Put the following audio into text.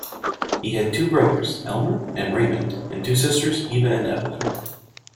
He had two brothers, Elmer and Raymond, and two sisters, Eva and Evelyn.